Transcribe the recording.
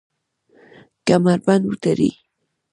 کمربند وتړئ